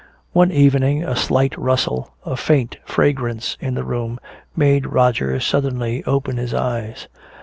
One evening a slight rustle, a faint fragrance in the room, made Roger suddenly open his eyes.